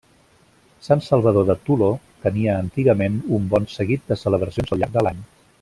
Sant Salvador de Toló tenia antigament un bon seguit de celebracions al llarg de l'any.